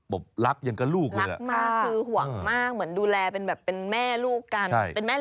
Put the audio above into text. บอกปังว่าหลอกออก